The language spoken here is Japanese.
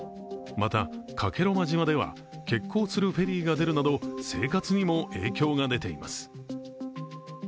また、加計呂麻島では欠航するフェリーが出るなど生活にも影響が出ています。